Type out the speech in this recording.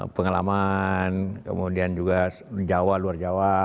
pengalaman kemudian juga jawa luar jawa